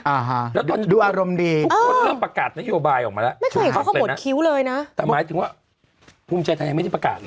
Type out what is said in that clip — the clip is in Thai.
อ่าฮะดูอารมณ์ดีเออไม่เคยเห็นเขาเข้าหมดคิ้วเลยนะแต่หมายถึงว่าภูมิชายไทยไม่ได้ประกาศเลย